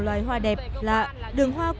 đường hoa nguyễn huệ là đường hoa nổi tiếng